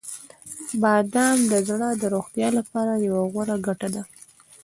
• بادام د زړه د روغتیا لپاره یوه غوره ګټه ده.